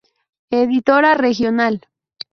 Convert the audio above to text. Editora Regional.